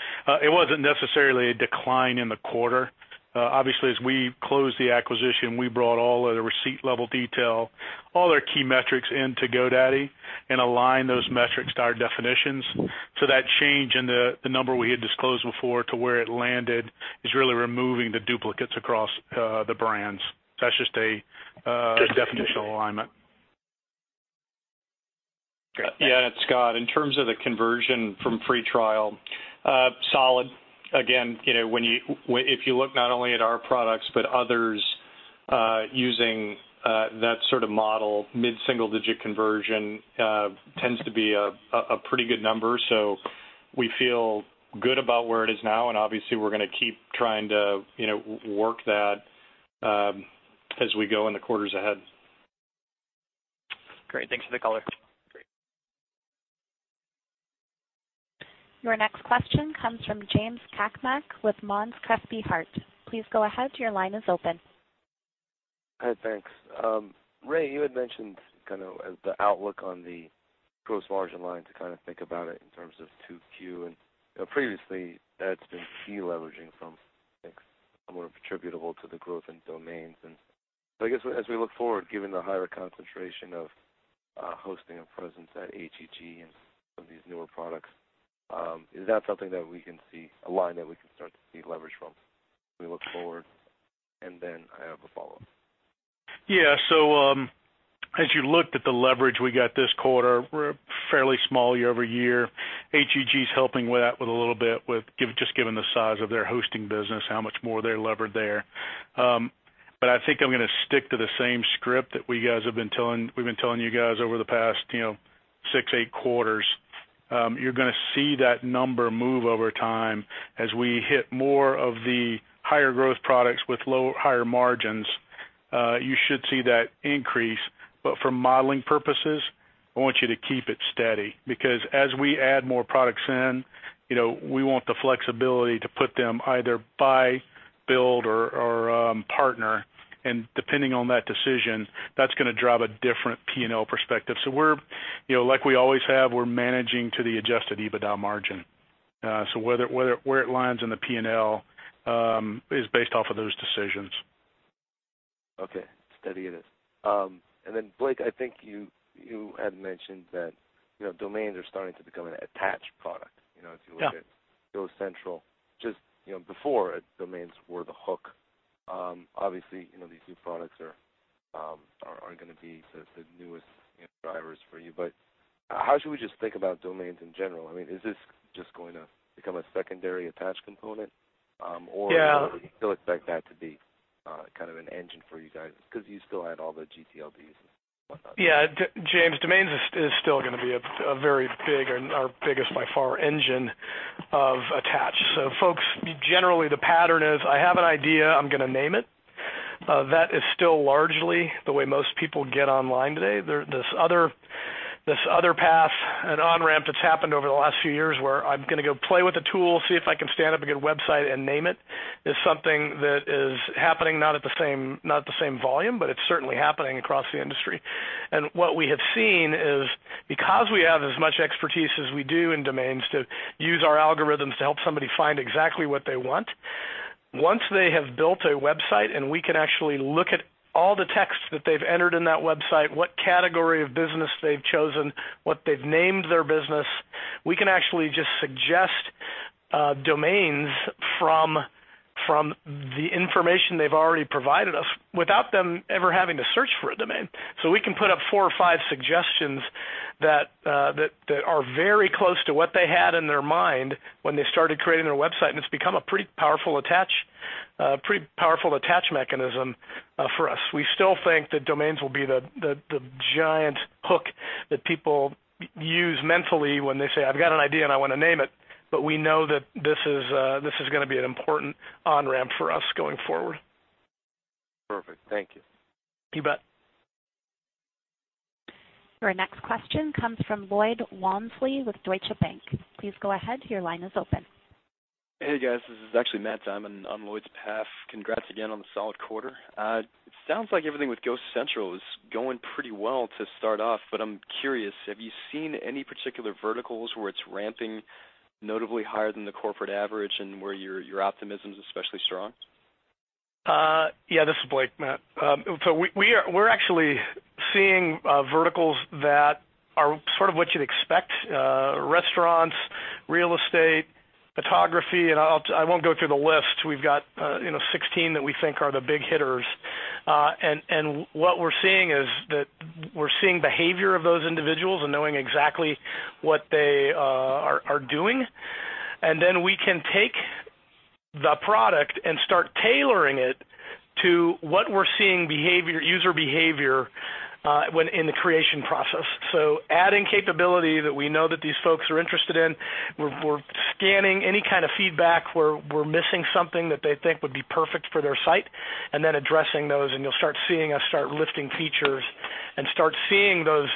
Speaker 5: It wasn't necessarily a decline in the quarter. Obviously, as we closed the acquisition, we brought all of the receipt-level detail, all their key metrics into GoDaddy and aligned those metrics to our definitions. That change in the number we had disclosed before to where it landed is really removing the duplicates across the brands. That's just a definitional alignment.
Speaker 4: Yeah, it's Scott. In terms of the conversion from free trial, solid. Again, if you look not only at our products, but others, using that sort of model, mid-single digit conversion, tends to be a pretty good number. We feel good about where it is now, and obviously, we're going to keep trying to work that as we go in the quarters ahead.
Speaker 13: Great. Thanks for the color.
Speaker 1: Your next question comes from James Cakmak with Monness, Crespi, Hardt. Please go ahead, your line is open.
Speaker 14: Hi, thanks. Ray, you had mentioned kind of the outlook on the gross margin line to kind of think about it in terms of 2Q. Previously that's been de-leveraging from, I think, somewhat attributable to the growth in domains. I guess as we look forward, given the higher concentration of hosting and presence at HEG and some of these newer products, is that something that we can see, a line that we can start to see leverage from as we look forward? Then I have a follow-up.
Speaker 5: Yeah. As you looked at the leverage we got this quarter, we're fairly small year-over-year. HEG's helping with that a little bit, just given the size of their hosting business, how much more they're levered there. I think I'm going to stick to the same script that we've been telling you guys over the past six, eight quarters. You're going to see that number move over time as we hit more of the higher growth products with higher margins. You should see that increase, but for modeling purposes, I want you to keep it steady because as we add more products in, we want the flexibility to put them either buy, build or partner, and depending on that decision, that's going to drive a different P&L perspective. Like we always have, we're managing to the adjusted EBITDA margin. Where it lands in the P&L is based off of those decisions.
Speaker 14: Okay. Steady it is. Blake, I think you had mentioned that domains are starting to become an attached product.
Speaker 3: Yeah
Speaker 14: if you look at GoCentral. Just before, domains were the hook. Obviously, these new products are going to be the newest drivers for you. How should we just think about domains in general? I mean, is this just going to become a secondary attached component?
Speaker 3: Yeah. Do you still expect that to be kind of an engine for you guys? Because you still had all the gTLDs and whatnot. Yeah. James, domains is still going to be a very big, and our biggest by far, engine of attached. Folks, generally the pattern is, I have an idea, I'm going to name it. That is still largely the way most people get online today. This other path and on-ramp that's happened over the last few years where I'm going to go play with a tool, see if I can stand up a good website and name it, is something that is happening not at the same volume, but it's certainly happening across the industry. What we have seen is because we have as much expertise as we do in domains to use our algorithms to help somebody find exactly what they want, once they have built a website and we can actually look at all the texts that they've entered in that website, what category of business they've chosen, what they've named their business, we can actually just suggest domains from the information they've already provided us without them ever having to search for a domain. We can put up four or five suggestions that are very close to what they had in their mind when they started creating their website, and it's become a pretty powerful attach mechanism for us. We still think that domains will be the giant hook that people use mentally when they say, "I've got an idea and I want to name it," but we know that this is going to be an important on-ramp for us going forward.
Speaker 14: Perfect. Thank you.
Speaker 3: You bet.
Speaker 1: Our next question comes from Lloyd Walmsley with Deutsche Bank. Please go ahead, your line is open.
Speaker 15: Hey, guys. This is actually Matt Sorenson on Lloyd's behalf. Congrats again on the solid quarter. I'm curious, have you seen any particular verticals where it's ramping notably higher than the corporate average and where your optimism's especially strong?
Speaker 3: Yeah, this is Blake, Matt. We're actually seeing verticals that are sort of what you'd expect. Restaurants, real estate, photography, and I won't go through the list. We've got 16 that we think are the big hitters. What we're seeing is that we're seeing behavior of those individuals and knowing exactly what they are doing, and then we can take the product and start tailoring it to what we're seeing user behavior when in the creation process. Adding capability that we know that these folks are interested in. We're scanning any kind of feedback where we're missing something that they think would be perfect for their site, and then addressing those, and you'll start seeing us start lifting features and start seeing those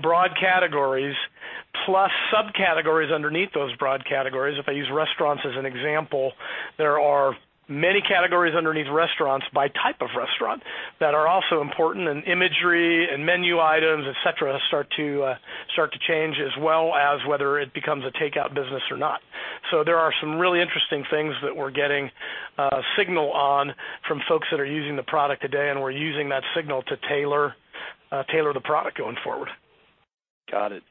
Speaker 3: broad categories plus subcategories underneath those broad categories. If I use restaurants as an example, there are many categories underneath restaurants by type of restaurant that are also important, and imagery and menu items, et cetera, start to change as well as whether it becomes a takeout business or not. There are some really interesting things that we're getting a signal on from folks that are using the product today, and we're using that signal to tailor the product going forward.
Speaker 15: Got it.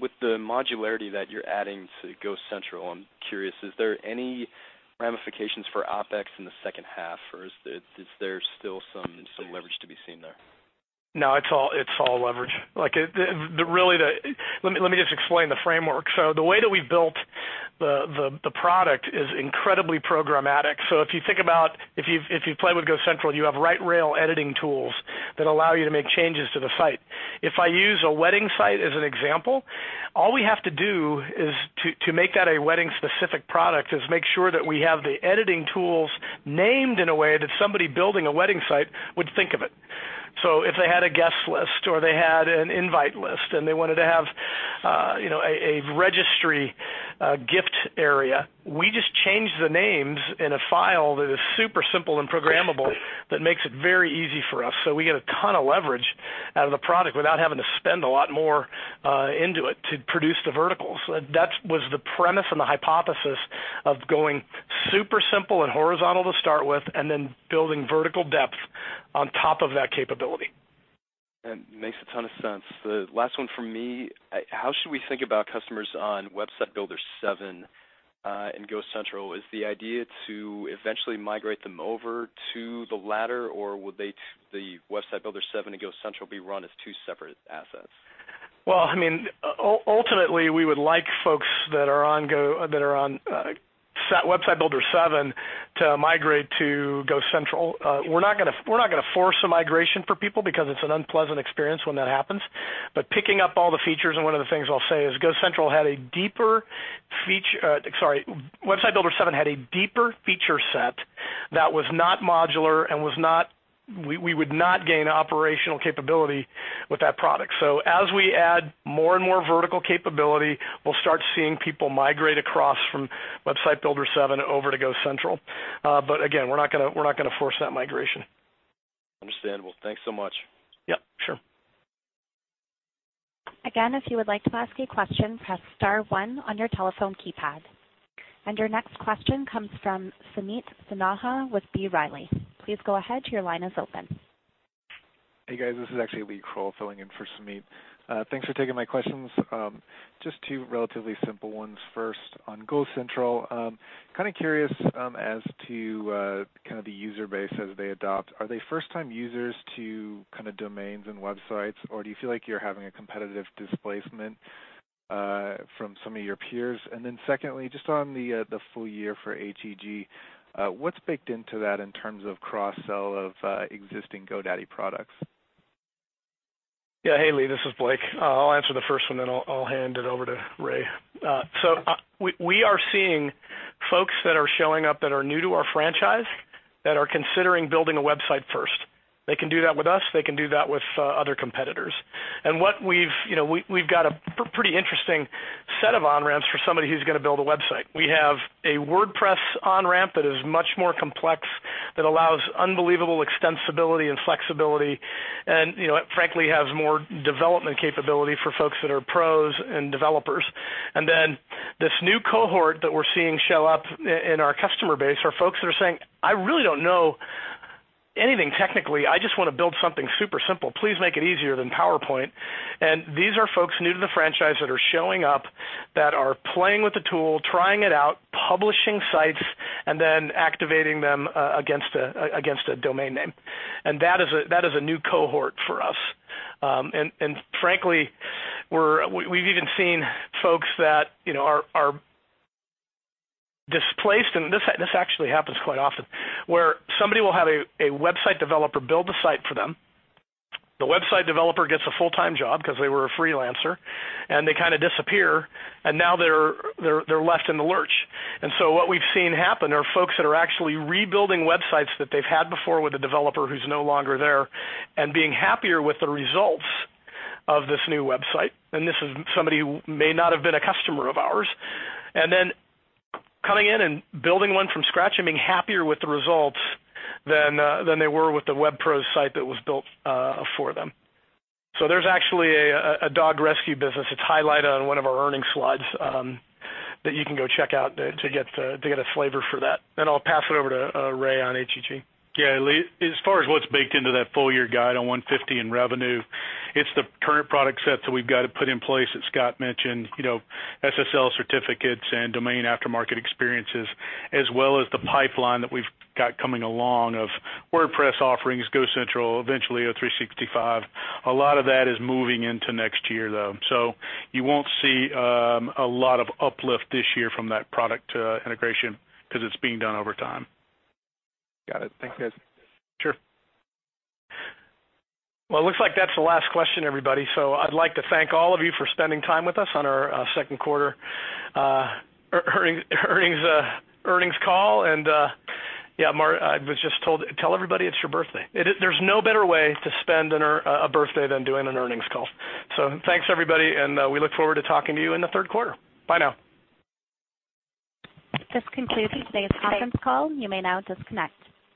Speaker 15: With the modularity that you're adding to GoCentral, I'm curious, is there any ramifications for OpEx in the second half, or is there still some leverage to be seen there?
Speaker 3: No, it's all leverage. Let me just explain the framework. The way that we built the product is incredibly programmatic. If you play with GoCentral, you have right-rail editing tools that allow you to make changes to the site. If I use a wedding site as an example, all we have to do is to make that a wedding-specific product is make sure that we have the editing tools named in a way that somebody building a wedding site would think of it. If they had a guest list or they had an an invite list and they wanted to have a registry gift area, we just change the names in a file that is super simple and programmable that makes it very easy for us. We get a ton of leverage out of the product without having to spend a lot more into it to produce the verticals. That was the premise and the hypothesis of going super simple and horizontal to start with, and then building vertical depth on top of that capability.
Speaker 15: That makes a ton of sense. The last one from me, how should we think about customers on Website Builder 7 and GoCentral? Is the idea to eventually migrate them over to the latter, or will the Website Builder 7 and GoCentral be run as two separate assets?
Speaker 3: Ultimately, we would like folks that are on Website Builder 7 to migrate to GoCentral. We're not going to force a migration for people because it's an unpleasant experience when that happens. Picking up all the features, and one of the things I'll say is GoCentral had a deeper feature Sorry. Website Builder 7 had a deeper feature set that was not modular and we would not gain operational capability with that product. As we add more and more vertical capability, we'll start seeing people migrate across from Website Builder 7 over to GoCentral. Again, we're not going to force that migration.
Speaker 15: Understandable. Thanks so much.
Speaker 3: Yeah, sure.
Speaker 1: Again, if you would like to ask a question, press *1 on your telephone keypad. Your next question comes from Sumeet Sinha with B. Riley. Please go ahead, your line is open.
Speaker 16: Hey, guys. This is actually Lee Krowl filling in for Sumeet. Thanks for taking my questions. Just two relatively simple ones. First, on GoCentral, curious as to kind of the user base as they adopt. Are they first-time users to kind of domains and websites, or do you feel like you're having a competitive displacement from some of your peers? Secondly, just on the full year for HEG, what's baked into that in terms of cross-sell of existing GoDaddy products?
Speaker 3: Yeah. Hey, Lee, this is Blake. I'll answer the first one, then I'll hand it over to Ray. We are seeing folks that are showing up that are new to our franchise that are considering building a website first. They can do that with us, they can do that with other competitors. We've got a pretty interesting set of on-ramps for somebody who's going to build a website. We have a WordPress on-ramp that is much more complex, that allows unbelievable extensibility and flexibility, and frankly, has more development capability for folks that are pros and developers. This new cohort that we're seeing show up in our customer base are folks that are saying, "I really don't know anything technically. I just want to build something super simple. Please make it easier than PowerPoint." These are folks new to the franchise that are showing up, that are playing with the tool, trying it out, publishing sites, then activating them against a domain name. That is a new cohort for us. Frankly, we've even seen folks that are displaced, this actually happens quite often, where somebody will have a website developer build a site for them. The website developer gets a full-time job because they were a freelancer, and they kind of disappear, and now they're left in the lurch. What we've seen happen are folks that are actually rebuilding websites that they've had before with a developer who's no longer there and being happier with the results of this new website. This is somebody who may not have been a customer of ours. Coming in and building one from scratch and being happier with the results than they were with the WebPro site that was built for them. There's actually a dog rescue business. It's highlighted on one of our earning slides, that you can go check out to get a flavor for that. I'll pass it over to Ray on HEG.
Speaker 5: Yeah. Lee, as far as what's baked into that full-year guide on $150 in revenue, it's the current product set that we've got to put in place that Scott mentioned, SSL certificates and domain aftermarket experiences, as well as the pipeline that we've got coming along of WordPress offerings, GoCentral, eventually O365. A lot of that is moving into next year, though. You won't see a lot of uplift this year from that product integration because it's being done over time.
Speaker 3: Got it. Thanks, guys. Sure. Well, it looks like that's the last question, everybody. I'd like to thank all of you for spending time with us on our second quarter earnings call. And yeah, Mark, I was just told, tell everybody it's your birthday. There's no better way to spend a birthday than doing an earnings call. Thanks, everybody, and we look forward to talking to you in the third quarter. Bye now.
Speaker 1: This concludes today's conference call. You may now disconnect.